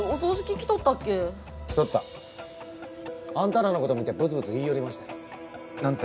来とったあんたらのこと見てブツブツ言いよりましたよ何て？